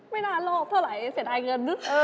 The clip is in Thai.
ไม่นานลบเท่าไรเสียดายเงิน